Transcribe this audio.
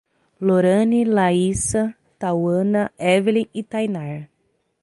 Lorane, Laíssa, Tauana, Evelim e Tainar